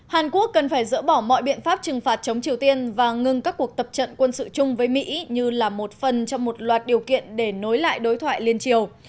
hàn quốc cần phải dỡ bỏ mọi biện pháp trừng phạt chống triều tiên và ngừng các cuộc tập trận quân sự chung với mỹ như là một phần trong một loạt điều kiện để nối lại đối thoại liên triều